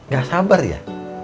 gak sabar ya